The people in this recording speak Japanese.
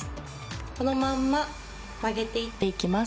このまんま曲げていっていきます。